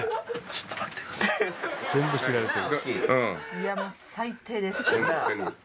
いやもう最低です。